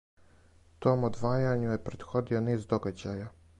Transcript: Том одвајању је претходио низ догађаја.